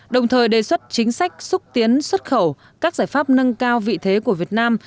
đồng thời đề xuất chính sách xúc tiến xuất khẩu các giải pháp nâng cao vị thế của việt nam